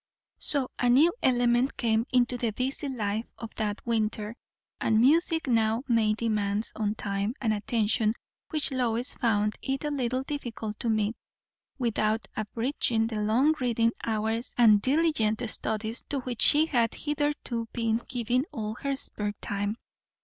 So a new element came into the busy life of that winter; and music now made demands on time and attention which Lois found it a little difficult to meet, without abridging the long reading hours and diligent studies to which she had hitherto been giving all her spare time.